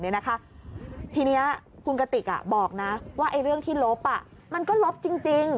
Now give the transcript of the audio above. ทีนี้คุณกติกบอกนะว่าเรื่องที่ลบมันก็ลบจริง